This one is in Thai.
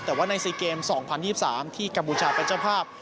แต่ว่าในซีเกมสองพันยี่สิบสามที่กัมพูชาเป็นเจ้าภาพ